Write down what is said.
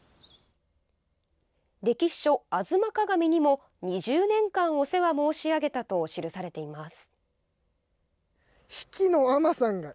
歴史書「吾妻鏡」にも「２０年間お世話申し上げた」と記されています。